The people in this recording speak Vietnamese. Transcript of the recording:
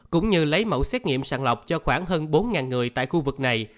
cũng như lấy mẫu xét nghiệm sàng lọc cho khoảng hơn bốn người tại khu vực này